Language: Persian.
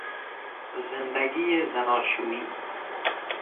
زندگی زناشویی